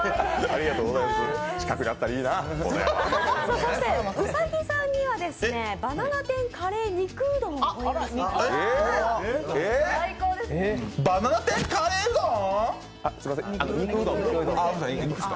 そして兎さんにはバナナ天カレー肉うどんをご用意しました。